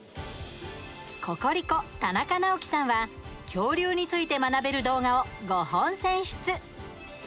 ココリコ田中直樹さんは恐竜について学べる動画を５本選出。